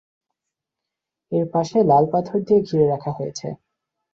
এর পাশে লাল পাথর দিয়ে ঘিরে রাখা হয়েছে।